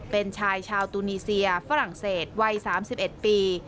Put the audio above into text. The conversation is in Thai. เป็นชายชาวตูนีเซียฝรั่งเศสวัย๓๑ปี